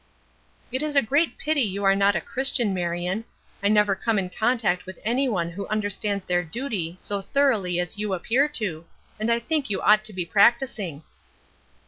"It is a great pity you are not a Christian, Marion. I never come in contact with any one who understands their duty so thoroughly as you appear to, and I think you ought to be practicing."